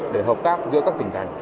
để hợp tác giữa các tỉnh thành